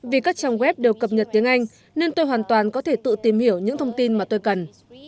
vì các trang web đều cập nhật tiếng anh nên tôi hoàn toàn có thể tự tìm hiểu những thông tin mà tôi cần